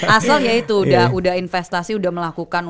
asalnya itu udah investasi udah melakukan